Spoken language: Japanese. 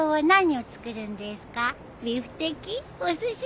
おすし？